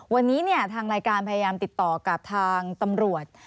วันนี้ทางรายการพยายามติดต่อกับทางตำรวจ